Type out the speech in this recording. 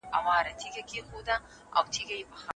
په هند کې د کور چلول مهم ګڼل کېږي.